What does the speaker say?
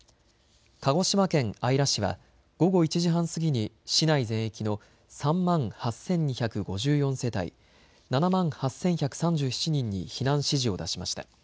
鹿児島県姶良市は午後１時半過ぎに市内全域の３万８２５４世帯７万８１３７人に避難指示を出しました。